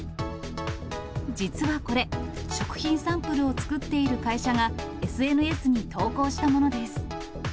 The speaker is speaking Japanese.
実はこれ、食品サンプルを作っている会社が、ＳＮＳに投稿したものです。